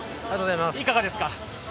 いかがですか？